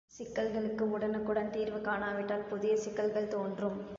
சிக்கல்களுக்கு உடனுக்குடன் தீர்வு கானா விட்டால் புதிய சிக்கல்கள் தோன்றும்.